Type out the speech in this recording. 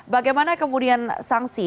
bagaimana kemudian sangsi